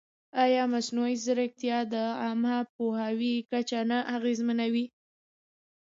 ایا مصنوعي ځیرکتیا د عامه پوهاوي کچه نه اغېزمنوي؟